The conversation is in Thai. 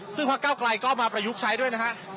ซึ่งพักเก้ากลายก็มาประยุกต์ใช้ด้วยนะครับ